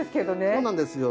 そうなんですよ。